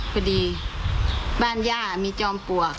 พอดีบ้านย่ามีจอมปลวก